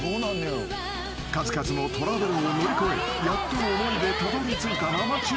［数々のトラブルを乗り越えやっとの思いでたどりついた生中継］